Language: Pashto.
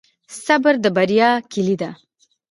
صبر د بریا کیلي ده.